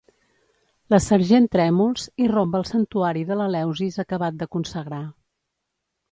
La sergent Trèmols irromp al santuari de l'Eleusis acabat de consagrar.